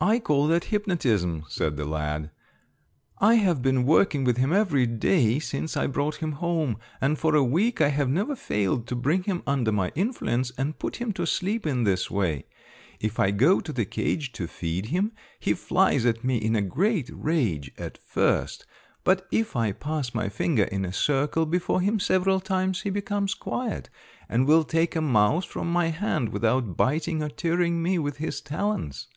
"I call that hypnotism," said the lad. "I have been working with him every day since I brought him home, and for a week I have never failed to bring him under my influence and put him to sleep in this way. If I go to the cage to feed him, he flies at me in a great rage at first, but if I pass my finger in a circle before him several times he becomes quiet, and will take a mouse from my hand without biting or tearing me with his talons.